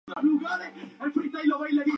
El ultimátum fue rechazado.